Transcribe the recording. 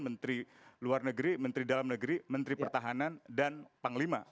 menteri luar negeri menteri dalam negeri menteri pertahanan dan panglima